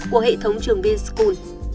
của hệ thống trường vinschool